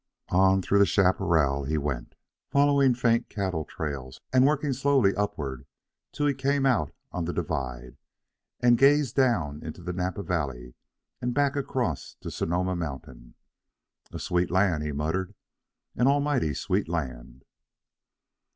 On through the chaparral he went, following faint cattle trails and working slowly upward till he came out on the divide and gazed down into Napa Valley and back across to Sonoma Mountain... "A sweet land," he muttered, "an almighty sweet land."